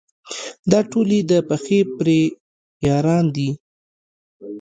دا ټول یې د پخې پرې یاران دي.